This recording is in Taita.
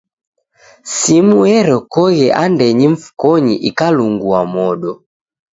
Simu erekoghe andenyi mfukonyi ikalungua modo.